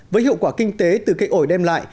với hiệu quả kinh tế từ cây ổi đem lại